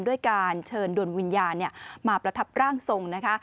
ด้วยการเชิญดวงวิญญาณมาประทับร่างทรงนะคะ